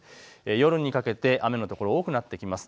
夜にかけて雨の所、多くなってきます。